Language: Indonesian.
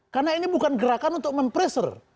karena ini bukan gerakan untuk mempressure